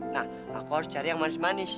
nah aku harus cari yang manis manis